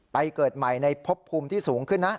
เกิดใหม่ในพบภูมิที่สูงขึ้นนะ